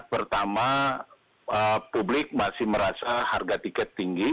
pertama publik masih merasa harga tiket tinggi